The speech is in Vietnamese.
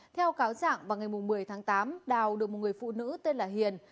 theo cáo trạng vào ngày một mươi tháng tám đào được một người phụ nữ tên là hiền